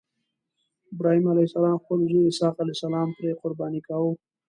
ابراهیم علیه السلام خپل زوی اسحق علیه السلام پرې قرباني کاوه.